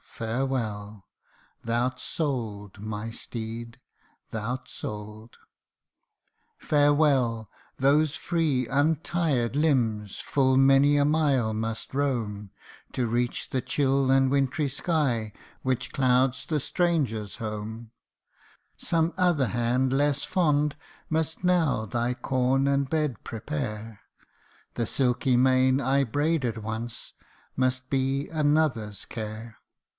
farewell ! thouVt sold, my steed thou'rt sold ! 270 THE ARAB'S FAREWELL TO HIS HORSE. Farewell ! those free untired limbs, full many a mile must roam, To reach the chill and wintry sky, which clouds the stran ger's home ; Some other hand, less fond, must now thy corn and bed prepare ; The silky mane I braided once, must be another's care